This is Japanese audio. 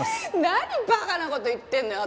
何バカな事言ってんのよ！